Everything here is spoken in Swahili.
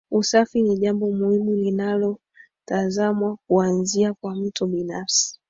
Usafi ni jambo muhimu linalotazamwa kuanzia kwa mtu binafsi